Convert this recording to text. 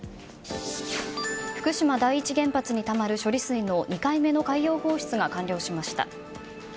福島第一原発にたまる処理水の２回目の海洋放出が完了しました。